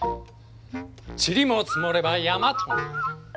ちりも積もれば山となる。